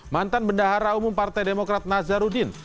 mantan bendahara umum partai demokrat nazarudin